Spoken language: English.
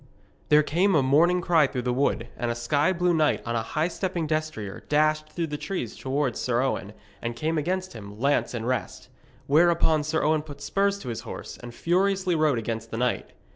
There came a mourning cry through the wood, and a sky blue knight on a high stepping destrier dashed through the trees towards Sir Owen, and came against him, lance in rest. Whereupon Sir Owen put spurs to his horse, and furiously rode against the knight.